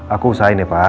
aku usahain ya pak